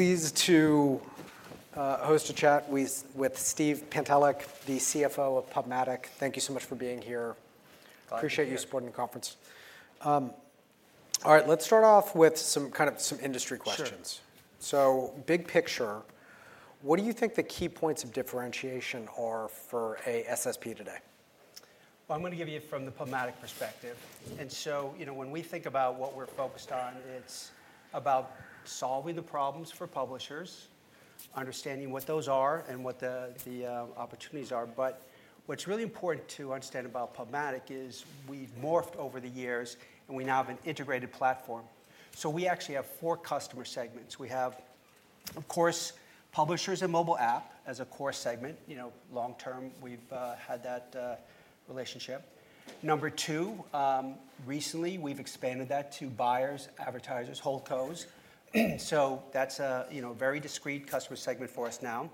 Pleased to host a chat with Steve Pantelick, the CFO of PubMatic. Thank you so much for being here. Glad to be here. Appreciate you supporting the conference. All right, let's start off with some kind of industry questions. Sure. Big picture, what do you think the key points of differentiation are for a SSP today? I'm going to give you from the PubMatic perspective. And so, you know, when we think about what we're focused on, it's about solving the problems for publishers, understanding what those are and what the opportunities are. What's really important to understand about PubMatic is we've morphed over the years, and we now have an integrated platform. We actually have four customer segments. We have, of course, publishers and mobile app as a core segment. You know, long term, we've had that relationship. Number two, recently we've expanded that to buyers, advertisers, whole codes. That's a, you know, very discreet customer segment for us now.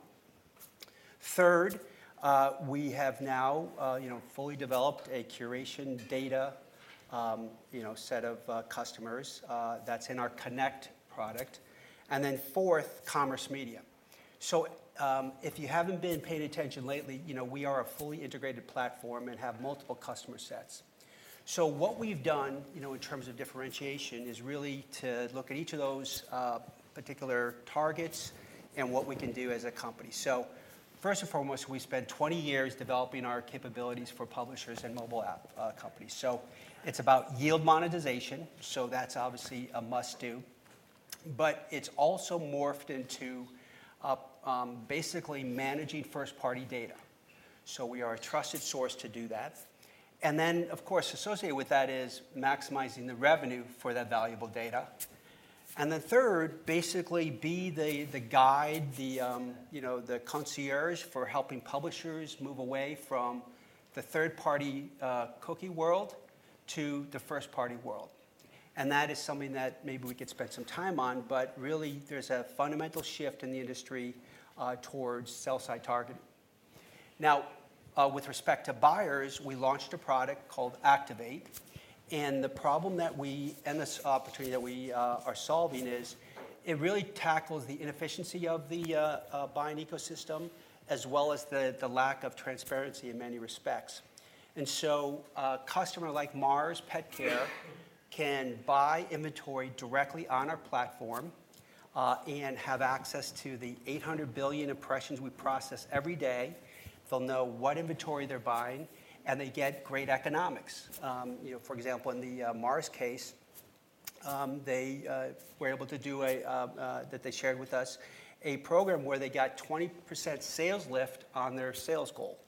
Third, we have now, you know, fully developed a curation data, you know, set of customers that's in our Connect product. And then fourth, commerce media. If you haven't been paying attention lately, you know, we are a fully integrated platform and have multiple customer sets. What we've done, you know, in terms of differentiation is really to look at each of those particular targets and what we can do as a company. First and foremost, we spent 20 years developing our capabilities for publishers and mobile app companies. It's about yield monetization. That's obviously a must do. It's also morphed into basically managing first party data. We are a trusted source to do that. Of course, associated with that is maximizing the revenue for that valuable data. Third, basically be the guide, the, you know, the concierge for helping publishers move away from the third party cookie world to the first party world. That is something that maybe we could spend some time on, but really there's a fundamental shift in the industry towards sell side targeting. Now, with respect to buyers, we launched a product called Activate. The problem that we and this opportunity that we are solving is it really tackles the inefficiency of the buying ecosystem as well as the lack of transparency in many respects. A customer like Mars Petcare can buy inventory directly on our platform and have access to the 800 billion impressions we process every day. They'll know what inventory they're buying, and they get great economics. You know, for example, in the Mars case, they were able to do a that they shared with us a program where they got 20% sales lift on their sales goal,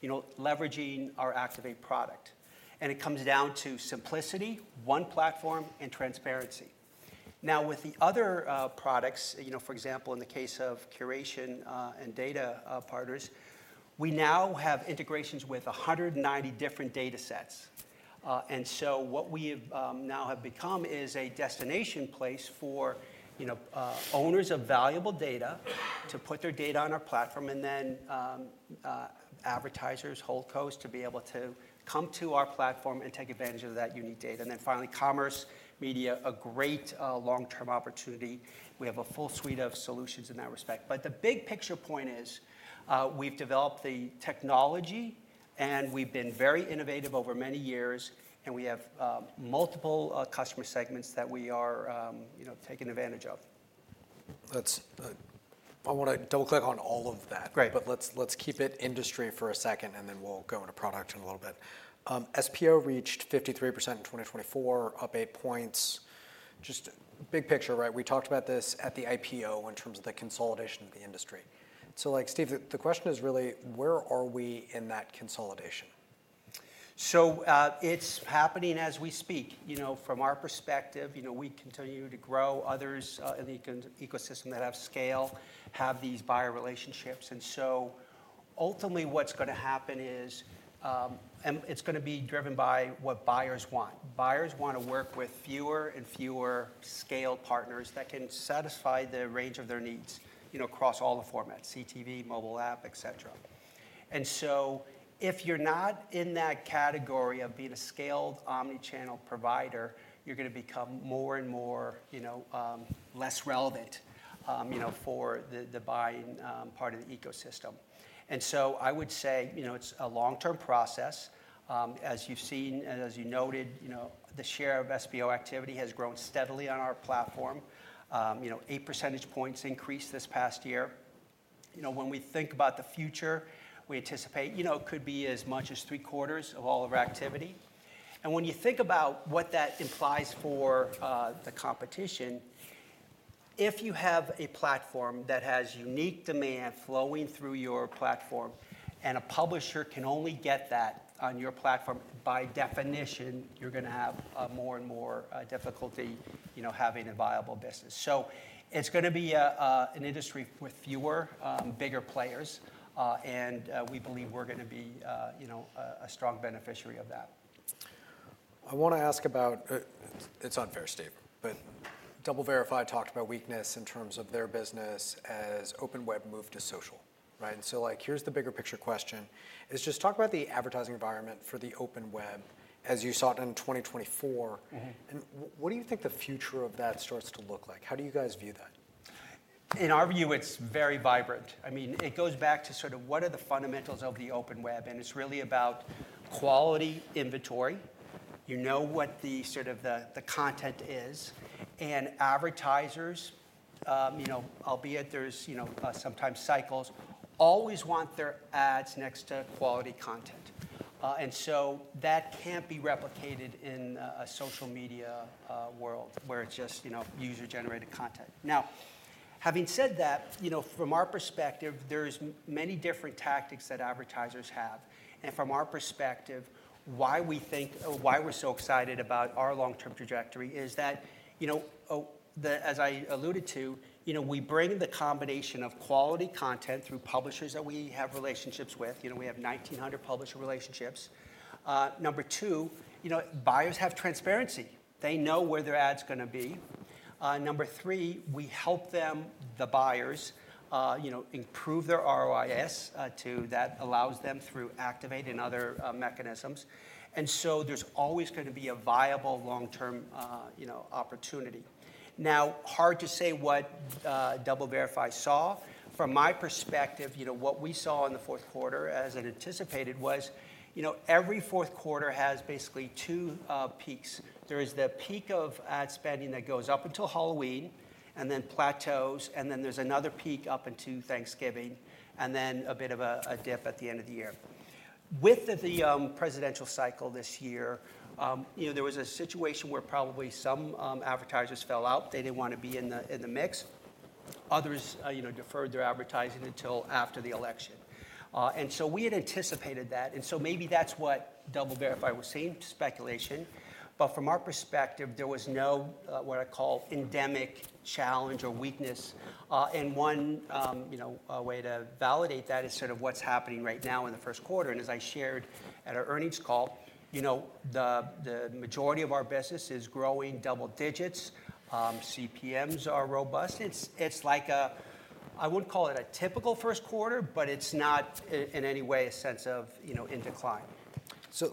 you know, leveraging our Activate product. It comes down to simplicity, one platform, and transparency. Now, with the other products, you know, for example, in the case of curation and data partners, we now have integrations with 190 different data sets. What we now have become is a destination place for, you know, owners of valuable data to put their data on our platform and then advertisers, whole codes to be able to come to our platform and take advantage of that unique data. Finally, commerce media, a great long term opportunity. We have a full suite of solutions in that respect. The big picture point is we've developed the technology and we've been very innovative over many years, and we have multiple customer segments that we are, you know, taking advantage of. Let's, I want to double click on all of that. Great. Let's keep it industry for a second, and then we'll go into product in a little bit. SPO reached 53% in 2024, up eight points. Just big picture, right? We talked about this at the IPO in terms of the consolidation of the industry. Like Steve, the question is really, where are we in that consolidation? It's happening as we speak. You know, from our perspective, you know, we continue to grow. Others in the ecosystem that have scale have these buyer relationships. Ultimately what's going to happen is it's going to be driven by what buyers want. Buyers want to work with fewer and fewer scaled partners that can satisfy the range of their needs, you know, across all the formats: CTV, mobile app, et cetera. If you're not in that category of being a scaled omnichannel provider, you're going to become more and more, you know, less relevant, you know, for the buying part of the ecosystem. I would say, you know, it's a long term process. As you've seen, as you noted, you know, the share of SPO activity has grown steadily on our platform. Eight percentage points increased this past year. You know, when we think about the future, we anticipate, you know, it could be as much as three quarters of all of our activity. When you think about what that implies for the competition, if you have a platform that has unique demand flowing through your platform and a publisher can only get that on your platform, by definition, you're going to have more and more difficulty, you know, having a viable business. It is going to be an industry with fewer bigger players. We believe we're going to be, you know, a strong beneficiary of that. I want to ask about it's unfair, Steve, but DoubleVerify talked about weakness in terms of their business as open web moved to social, right? Like here's the bigger picture question, just talk about the advertising environment for the open web as you saw it in 2024. What do you think the future of that starts to look like? How do you guys view that? In our view, it's very vibrant. I mean, it goes back to sort of what are the fundamentals of the open web? It's really about quality inventory. You know what the sort of the content is. Advertisers, you know, albeit there's, you know, sometimes cycles, always want their ads next to quality content. That can't be replicated in a social media world where it's just, you know, user generated content. Now, having said that, you know, from our perspective, there's many different tactics that advertisers have. From our perspective, why we think why we're so excited about our long term trajectory is that, you know, as I alluded to, you know, we bring the combination of quality content through publishers that we have relationships with. You know, we have 1,900 publisher relationships. Number two, you know, buyers have transparency. They know where their ad's going to be. Number three, we help them, the buyers, you know, improve their ROI so that allows them through Activate and other mechanisms. There is always going to be a viable long term, you know, opportunity. Now, hard to say what DoubleVerify saw. From my perspective, you know, what we saw in the fourth quarter as anticipated was, you know, every fourth quarter has basically two peaks. There is the peak of ad spending that goes up until Halloween and then plateaus, and then there is another peak up until Thanksgiving and then a bit of a dip at the end of the year. With the presidential cycle this year, you know, there was a situation where probably some advertisers fell out. They did not want to be in the mix. Others, you know, deferred their advertising until after the election. We had anticipated that. Maybe that is what DoubleVerify was saying, speculation. From our perspective, there was no what I call endemic challenge or weakness. One way to validate that is sort of what is happening right now in the first quarter. As I shared at our earnings call, the majority of our business is growing double digits. CPMs are robust. It is like a, I would not call it a typical first quarter, but it is not in any way a sense of, you know, in decline.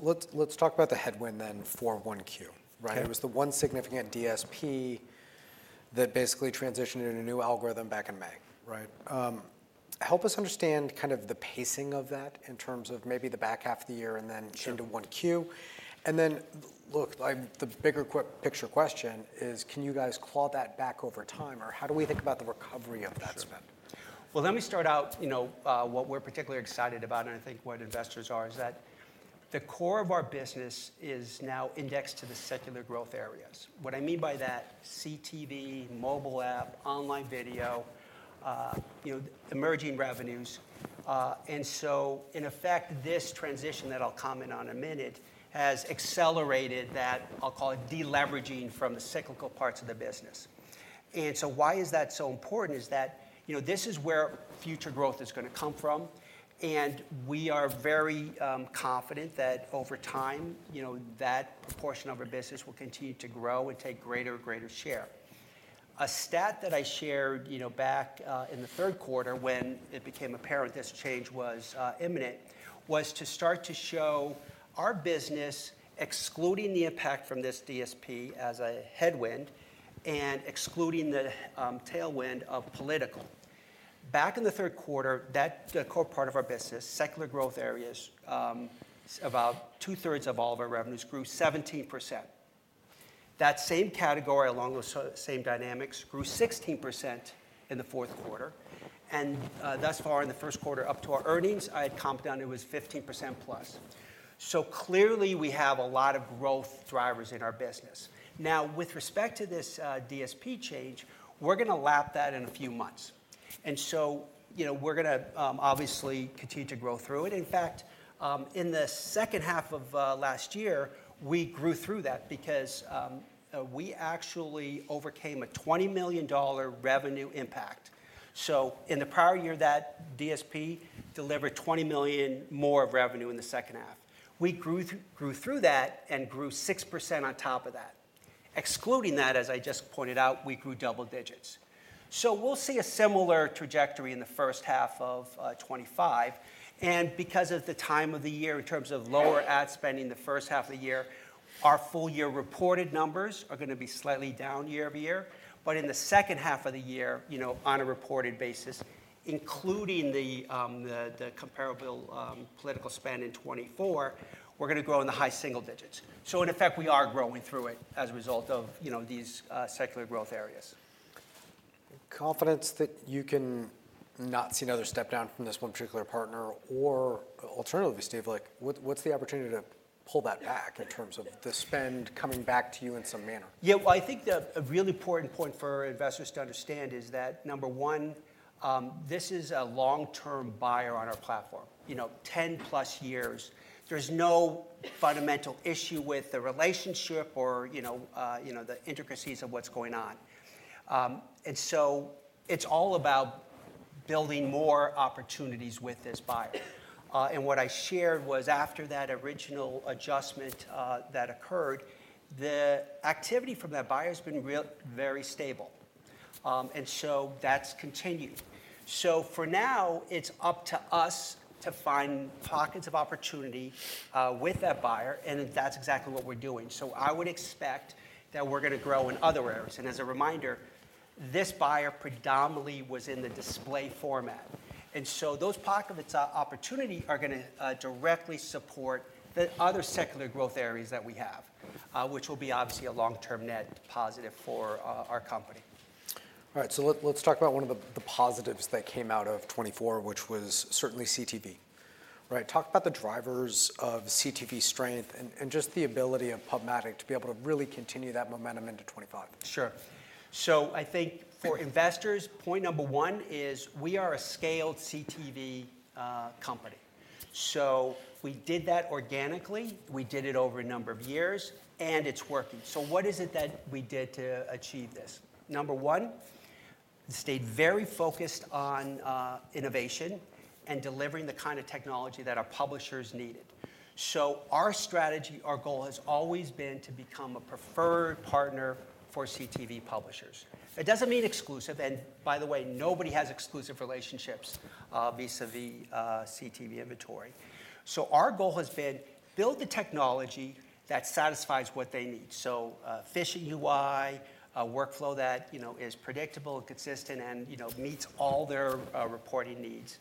Let's talk about the headwind then for one Q, right? It was the one significant DSP that basically transitioned into a new algorithm back in May, right? Help us understand kind of the pacing of that in terms of maybe the back half of the year and then into one Q. The bigger picture question is, can you guys claw that back over time or how do we think about the recovery of that spend? Let me start out, you know, what we're particularly excited about and I think what investors are is that the core of our business is now indexed to the secular growth areas. What I mean by that, CTV, mobile app, online video, you know, emerging revenues. In effect, this transition that I'll comment on in a minute has accelerated that, I'll call it deleveraging from the cyclical parts of the business. Why is that so important is that, you know, this is where future growth is going to come from. We are very confident that over time, you know, that portion of our business will continue to grow and take greater and greater share. A stat that I shared, you know, back in the third quarter when it became apparent this change was imminent was to start to show our business excluding the impact from this DSP as a headwind and excluding the tailwind of political. Back in the third quarter, that core part of our business, secular growth areas, about two thirds of all of our revenues grew 17%. That same category along those same dynamics grew 16% in the fourth quarter. Thus far in the first quarter up to our earnings, I had compounded it was 15% plus. Clearly we have a lot of growth drivers in our business. Now, with respect to this DSP change, we're going to lap that in a few months. You know, we're going to obviously continue to grow through it. In fact, in the second half of last year, we grew through that because we actually overcame a $20 million revenue impact. In the prior year, that DSP delivered $20 million more of revenue in the second half. We grew through that and grew 6% on top of that. Excluding that, as I just pointed out, we grew double digits. We will see a similar trajectory in the first half of 2025. Because of the time of the year in terms of lower ad spending in the first half of the year, our full year reported numbers are going to be slightly down year over year. In the second half of the year, you know, on a reported basis, including the comparable political spend in 2024, we are going to grow in the high single digits. In effect, we are growing through it as a result of, you know, these secular growth areas. Confidence that you can not see another step down from this one particular partner or alternatively, Steve, like what's the opportunity to pull that back in terms of the spend coming back to you in some manner? Yeah, I think a really important point for investors to understand is that number one, this is a long term buyer on our platform, you know, 10 plus years. There's no fundamental issue with the relationship or, you know, you know, the intricacies of what's going on. It is all about building more opportunities with this buyer. What I shared was after that original adjustment that occurred, the activity from that buyer has been very stable. That has continued. For now, it's up to us to find pockets of opportunity with that buyer. That's exactly what we're doing. I would expect that we're going to grow in other areas. As a reminder, this buyer predominantly was in the display format. Those pockets of opportunity are going to directly support the other secular growth areas that we have, which will be obviously a long term net positive for our company. All right. Let's talk about one of the positives that came out of 2024, which was certainly CTV, right? Talk about the drivers of CTV strength and just the ability of PubMatic to be able to really continue that momentum into 2025. Sure. I think for investors, point number one is we are a scaled CTV company. We did that organically. We did it over a number of years and it is working. What is it that we did to achieve this? Number one, stayed very focused on innovation and delivering the kind of technology that our publishers needed. Our strategy, our goal has always been to become a preferred partner for CTV publishers. That does not mean exclusive. By the way, nobody has exclusive relationships vis-à-vis CTV inventory. Our goal has been to build the technology that satisfies what they need. Frictionless UI, a workflow that, you know, is predictable and consistent and, you know, meets all their reporting needs.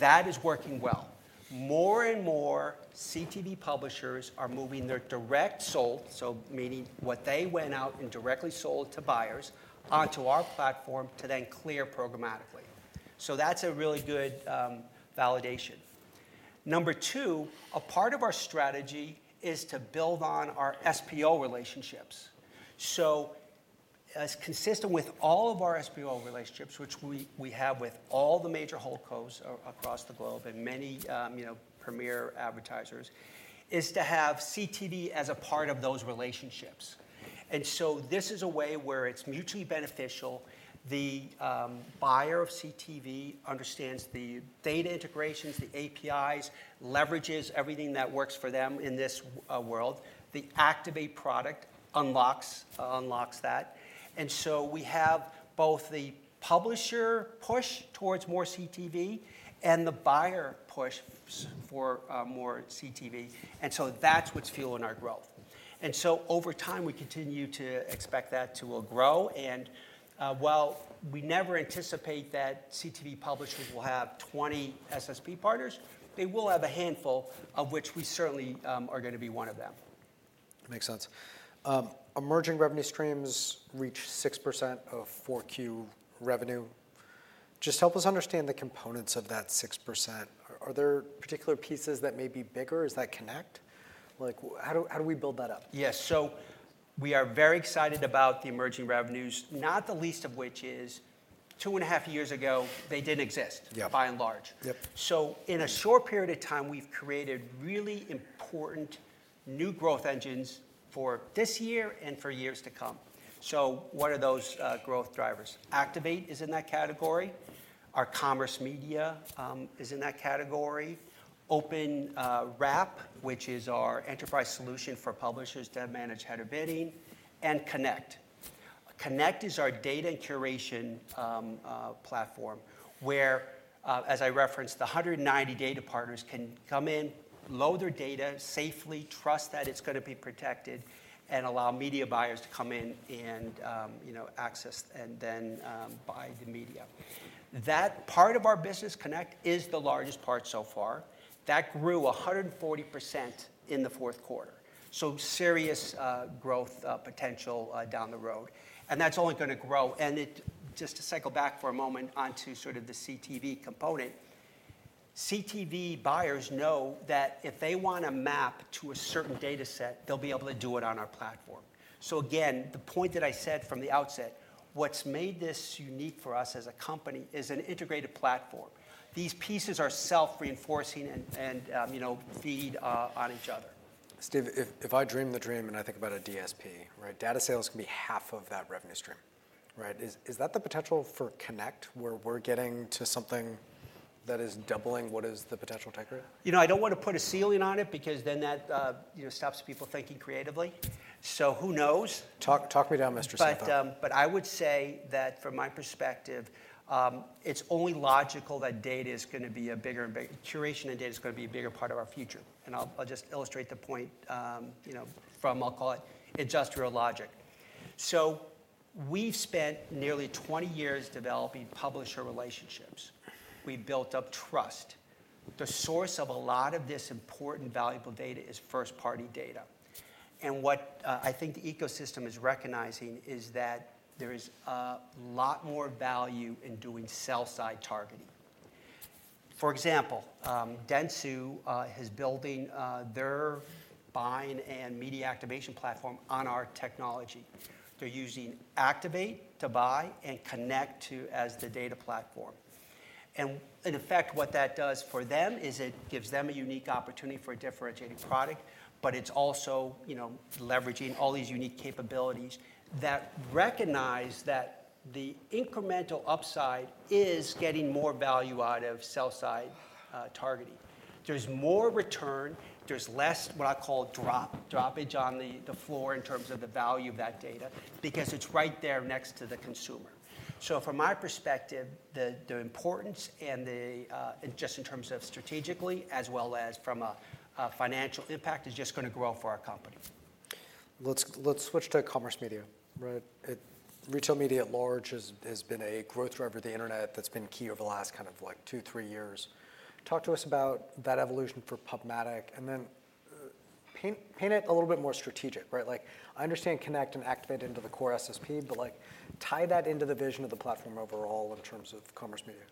That is working well. More and more CTV publishers are moving their direct sold, so meaning what they went out and directly sold to buyers onto our platform to then clear programmatically. That is a really good validation. Number two, a part of our strategy is to build on our SPO relationships. As consistent with all of our SPO relationships, which we have with all the major whole codes across the globe and many, you know, premier advertisers, is to have CTV as a part of those relationships. This is a way where it is mutually beneficial. The buyer of CTV understands the data integrations, the APIs, leverages everything that works for them in this world. The Activate product unlocks that. We have both the publisher push towards more CTV and the buyer push for more CTV. That is what is fueling our growth. Over time, we continue to expect that to grow. While we never anticipate that CTV publishers will have 20 SSP partners, they will have a handful of which we certainly are going to be one of them. Makes sense. Emerging revenue streams reach 6% of fourth quarter revenue. Just help us understand the components of that 6%. Are there particular pieces that may be bigger? Is that Connect? Like how do we build that up? Yes. We are very excited about the emerging revenues, not the least of which is two and a half years ago, they did not exist by and large. In a short period of time, we have created really important new growth engines for this year and for years to come. What are those growth drivers? Activate is in that category. Our commerce media is in that category. OpenWrap, which is our enterprise solution for publishers that manage header bidding, and Connect. Connect is our data and curation platform where, as I referenced, the 190 data partners can come in, load their data safely, trust that it is going to be protected, and allow media buyers to come in and, you know, access and then buy the media. That part of our business, Connect, is the largest part so far. That grew 140% in the fourth quarter. Serious growth potential down the road. That is only going to grow. Just to cycle back for a moment onto sort of the CTV component, CTV buyers know that if they want a map to a certain data set, they will be able to do it on our platform. Again, the point that I said from the outset, what has made this unique for us as a company is an integrated platform. These pieces are self-reinforcing and, you know, feed on each other. Steve, if I dream the dream and I think about a DSP, right? Data sales can be half of that revenue stream, right? Is that the potential for Connect where we're getting to something that is doubling what is the potential taker? You know, I don't want to put a ceiling on it because then that, you know, stops people thinking creatively. So who knows? Talk me down, Mr. Soto. I would say that from my perspective, it's only logical that data is going to be a bigger and bigger curation and data is going to be a bigger part of our future. I'll just illustrate the point, you know, from, I'll call it industrial logic. We've spent nearly 20 years developing publisher relationships. We built up trust. The source of a lot of this important valuable data is first party data. What I think the ecosystem is recognizing is that there is a lot more value in doing sell side targeting. For example, Dentsu is building their buying and media activation platform on our technology. They're using Activate to buy and Connect as the data platform. In effect, what that does for them is it gives them a unique opportunity for a differentiated product, but it's also, you know, leveraging all these unique capabilities that recognize that the incremental upside is getting more value out of sell-side targeting. There's more return. There's less what I call droppage on the floor in terms of the value of that data because it's right there next to the consumer. From my perspective, the importance and just in terms of strategically as well as from a financial impact is just going to grow for our company. Let's switch to commerce media, right? Retail media at large has been a growth driver of the internet that's been key over the last kind of like two, three years. Talk to us about that evolution for PubMatic and then paint it a little bit more strategic, right? Like I understand Connect and Activate into the core SSP, but like tie that into the vision of the platform overall in terms of commerce media.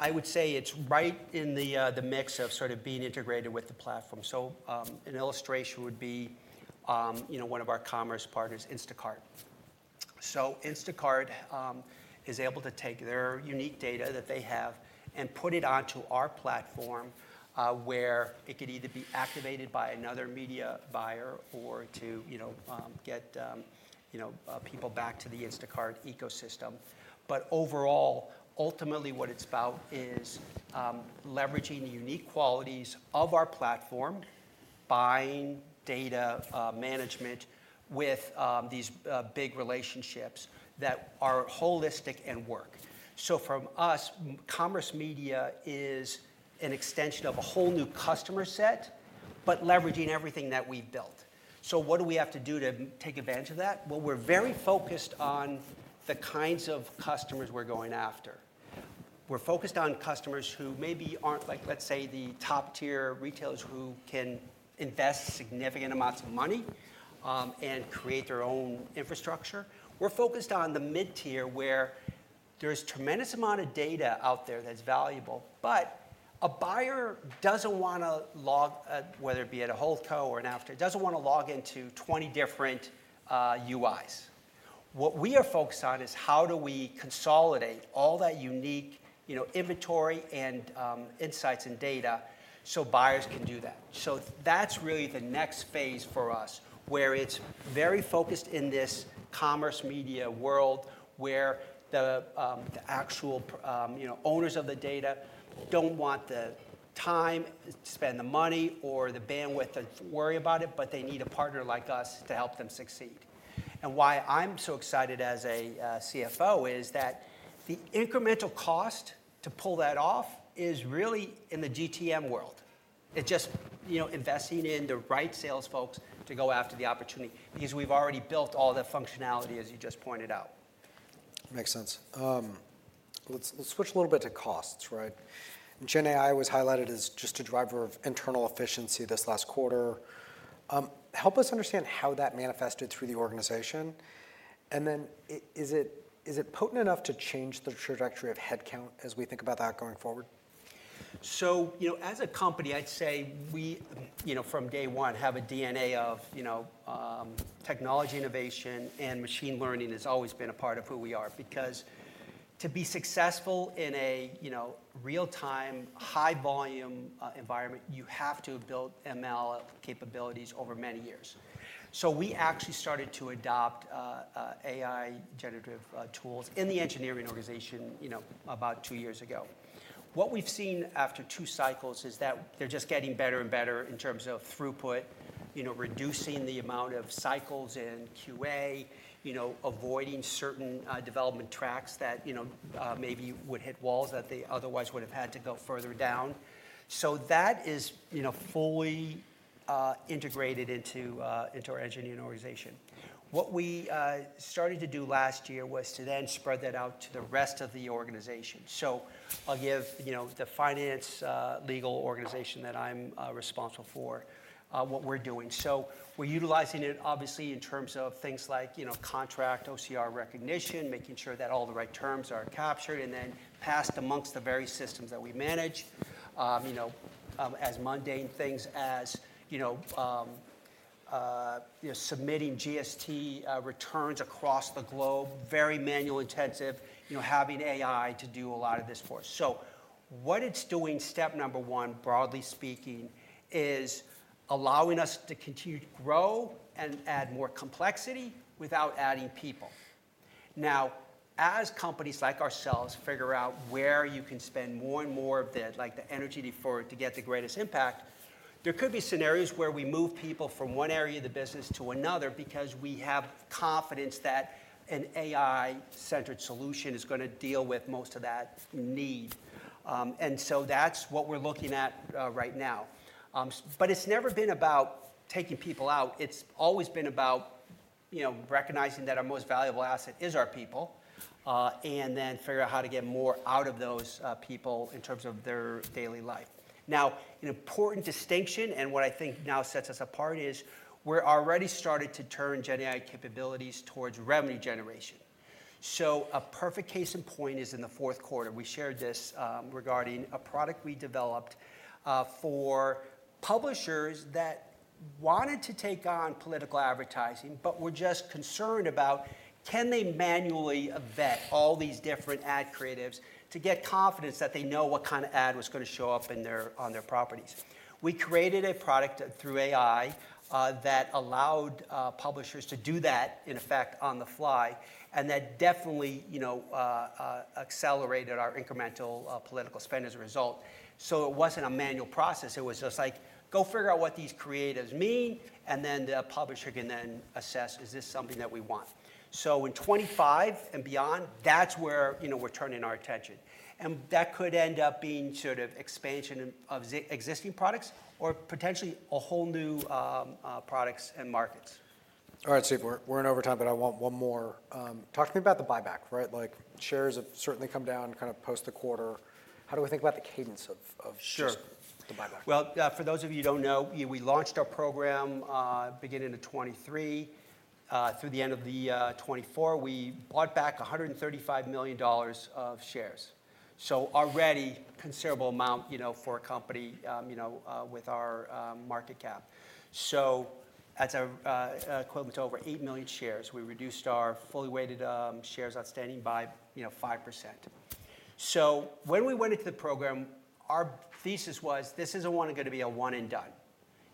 I would say it's right in the mix of sort of being integrated with the platform. An illustration would be, you know, one of our commerce partners, Instacart. Instacart is able to take their unique data that they have and put it onto our platform where it could either be activated by another media buyer or to, you know, get, you know, people back to the Instacart ecosystem. Overall, ultimately what it's about is leveraging the unique qualities of our platform, buying data management with these big relationships that are holistic and work. For us, commerce media is an extension of a whole new customer set, but leveraging everything that we've built. What do we have to do to take advantage of that? We're very focused on the kinds of customers we're going after. We're focused on customers who maybe aren't like, let's say, the top tier retailers who can invest significant amounts of money and create their own infrastructure. We're focused on the mid tier where there's a tremendous amount of data out there that's valuable, but a buyer doesn't want to log, whether it be at a whole co or an after, doesn't want to log into 20 different UIs. What we are focused on is how do we consolidate all that unique, you know, inventory and insights and data so buyers can do that. That's really the next phase for us where it's very focused in this commerce media world where the actual, you know, owners of the data don't want the time to spend the money or the bandwidth to worry about it, but they need a partner like us to help them succeed. Why I'm so excited as a CFO is that the incremental cost to pull that off is really in the GTM world. It's just, you know, investing in the right sales folks to go after the opportunity because we've already built all the functionality, as you just pointed out. Makes sense. Let's switch a little bit to costs, right? Gen AI was highlighted as just a driver of internal efficiency this last quarter. Help us understand how that manifested through the organization. Is it potent enough to change the trajectory of headcount as we think about that going forward? You know, as a company, I'd say we, you know, from day one have a DNA of, you know, technology innovation and machine learning has always been a part of who we are because to be successful in a, you know, real time high volume environment, you have to have built ML capabilities over many years. We actually started to adopt AI generative tools in the engineering organization, you know, about two years ago. What we've seen after two cycles is that they're just getting better and better in terms of throughput, you know, reducing the amount of cycles in QA, you know, avoiding certain development tracks that, you know, maybe would hit walls that they otherwise would have had to go further down. That is, you know, fully integrated into our engineering organization. What we started to do last year was to then spread that out to the rest of the organization. I'll give, you know, the finance legal organization that I'm responsible for what we're doing. We're utilizing it obviously in terms of things like, you know, contract OCR recognition, making sure that all the right terms are captured and then passed amongst the various systems that we manage, you know, as mundane things as, you know, submitting GST returns across the globe, very manual intensive, you know, having AI to do a lot of this for us. What it's doing, step number one, broadly speaking, is allowing us to continue to grow and add more complexity without adding people. Now, as companies like ourselves figure out where you can spend more and more of the, like the energy for it to get the greatest impact, there could be scenarios where we move people from one area of the business to another because we have confidence that an AI centered solution is going to deal with most of that need. That is what we're looking at right now. It's never been about taking people out. It's always been about, you know, recognizing that our most valuable asset is our people and then figure out how to get more out of those people in terms of their daily life. An important distinction and what I think now sets us apart is we're already starting to turn Gen AI capabilities towards revenue generation. A perfect case in point is in the fourth quarter. We shared this regarding a product we developed for publishers that wanted to take on political advertising, but were just concerned about can they manually vet all these different ad creatives to get confidence that they know what kind of ad was going to show up on their properties. We created a product through AI that allowed publishers to do that in effect on the fly. That definitely, you know, accelerated our incremental political spend as a result. It was not a manual process. It was just like, go figure out what these creatives mean and then the publisher can then assess, is this something that we want? In 2025 and beyond, that is where, you know, we are turning our attention. That could end up being sort of expansion of existing products or potentially a whole new products and markets. All right, Steve, we're in overtime, but I want one more. Talk to me about the buyback, right? Like shares have certainly come down kind of post the quarter. How do we think about the cadence of the buyback? Sure. For those of you who don't know, we launched our program beginning in 2023. Through the end of 2024, we bought back $135 million of shares. Already a considerable amount, you know, for a company, you know, with our market cap. That's equivalent to over 8 million shares. We reduced our fully weighted shares outstanding by, you know, 5%. When we went into the program, our thesis was this isn't going to be a one and done.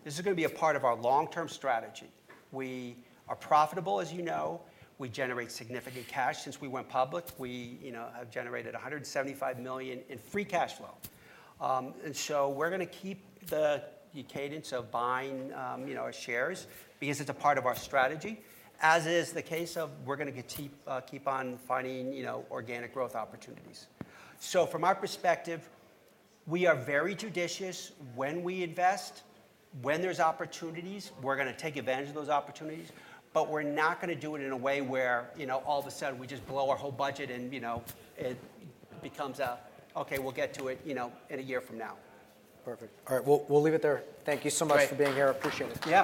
This is going to be a part of our long-term strategy. We are profitable, as you know. We generate significant cash since we went public. We, you know, have generated $175 million in free cash flow. We're going to keep the cadence of buying, you know, shares because it's a part of our strategy, as is the case of we're going to keep on finding, you know, organic growth opportunities. From our perspective, we are very judicious when we invest. When there's opportunities, we're going to take advantage of those opportunities, but we're not going to do it in a way where, you know, all of a sudden we just blow our whole budget and, you know, it becomes a, okay, we'll get to it, you know, in a year from now. Perfect. All right. We'll leave it there. Thank you so much for being here. Appreciate it.